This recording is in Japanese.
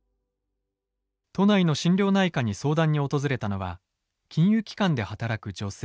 都内の心療内科に相談に訪れたのは金融機関で働く女性。